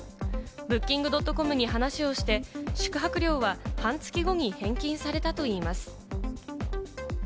Ｂｏｏｋｉｎｇ．ｃｏｍに話をして、宿泊料は半月後に返金されたといいます。